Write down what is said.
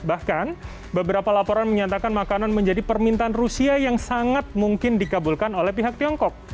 bahkan beberapa laporan menyatakan makanan menjadi permintaan rusia yang sangat mungkin dikabulkan oleh pihak tiongkok